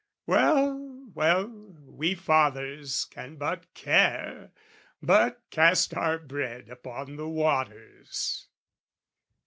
Well, well, we fathers can but care, but cast Our bread upon the waters!)